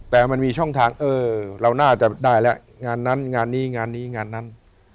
แต่มันมีช่องทางเออเราน่าจะได้แล้วงานนั้นงานนี้งานนี้งานนั้น